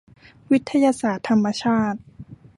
วิทยาศาสตร์ธรรมชาติ